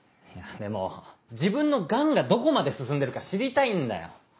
でも自分の癌がどこまで進んでるか知りたいんだよ。